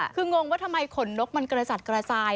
คืองงว่าทำไมขนนกมันกระจัดกระจาย